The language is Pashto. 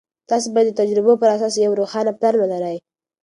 تاسې باید د تجربو پر اساس یو روښانه پلان ولرئ.